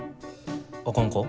あかんか？